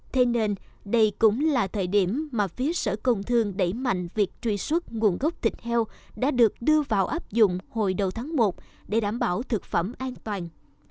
thế nên đây cũng là thời điểm mà phía sở công thương đẩy mạnh việc truy xuất nguồn gốc thịt heo đã được đưa vào áp dụng hồi đầu tháng một để đảm bảo thực phẩm an toàn